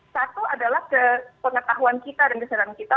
satu adalah pengetahuan kita dan kesenjangan kita